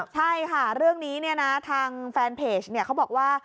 ใช่ค่ะเรื่องนี้เนี่ยนะทางแฟนเพจเนี่ยเขาบอกว่า